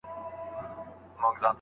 د خاطب نظر باید هېر نه سي.